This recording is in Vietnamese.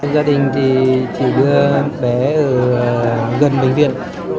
gia đình thì chỉ đưa bé ở gần bệnh viện